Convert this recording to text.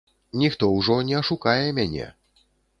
Ніхто ўжо не ашукае мяне.